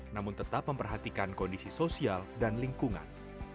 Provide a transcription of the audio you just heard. namun tetap memperhatikan kondisi sosial dan lingkungan